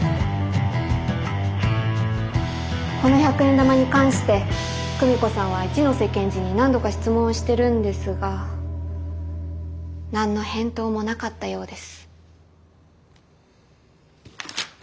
この百円玉に関して久美子さんは一ノ瀬検事に何度か質問をしてるんですが何の返答もなかったようです。